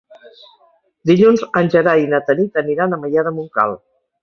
Dilluns en Gerai i na Tanit aniran a Maià de Montcal.